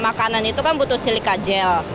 makanan itu kan butuh silika jell